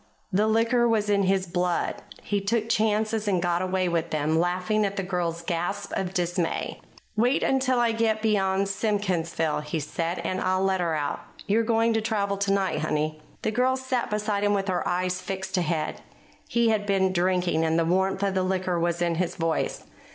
The liquor was in his blood. He took chances and got away with them, laughing at the girl's gasps of dismay. "Wait until I get beyond Simkinsville," he said, "and I'll let her out. You're going to travel tonight, honey." The girl sat beside him with her eyes fixed ahead. He had been drinking, and the warmth of the liquor was in his voice.